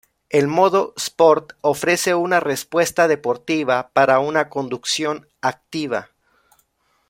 El modo "Sport" ofrece una respuesta deportiva para una conducción activa.